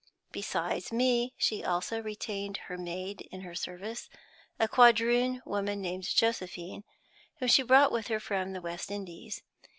Besides me she also retained her maid in her service a quadroon woman named Josephine, whom she brought with her from the West Indies.